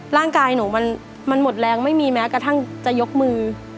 ร่างกายหนูมันหมดแรงไม่มีแม้กระทั่งจะยกมือ